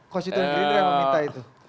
konstituen gerindra yang meminta itu